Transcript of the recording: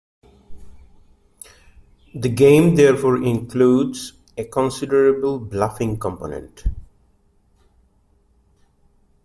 The game therefore includes a considerable bluffing component.